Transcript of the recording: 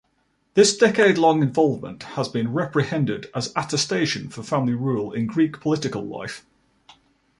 This decade-long involvement has been reprehended as attestation for family-rule in Greek political life.